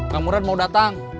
kang murad mau datang